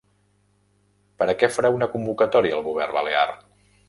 Per a què farà una convocatòria el govern balear?